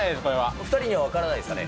お２人には分からないですかね。